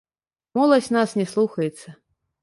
Моладзь нас не слухаецца.